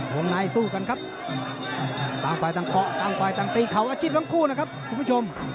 วงในสู้กันครับต่างฝ่ายต่างเกาะต่างฝ่ายต่างตีเขาอาชีพทั้งคู่นะครับคุณผู้ชม